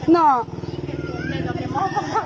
เนาะ